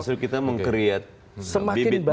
jadi kita meng create bibit bibit baru